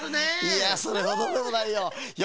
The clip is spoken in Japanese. いやそれほどでもないよ。